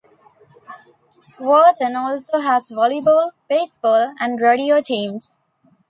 Wharton also has volleyball, baseball, and rodeo teams.